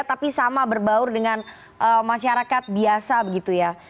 tapi sama berbaur dengan masyarakat biasa begitu ya